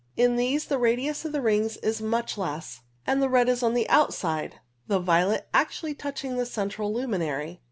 In these the radius of the rings is much less, and the red is on the outside, the violet actually touching the central luminary.